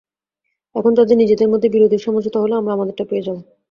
এখন তাদের নিজেদের মধ্যে বিরোধের সমঝোতা হলে আমরা আমাদেরটা পেয়ে যাব।